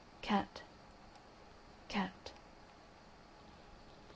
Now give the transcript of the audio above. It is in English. … Cat!… Cat!